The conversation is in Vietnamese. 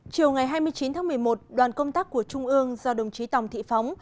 chiều ngày hai mươi chín tháng một mươi một đoàn công tác của trung ương do đồng chí tòng thị phóng